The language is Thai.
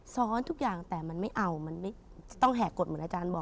ทุกอย่างแต่มันไม่เอามันไม่ต้องแหกกฎเหมือนอาจารย์บอก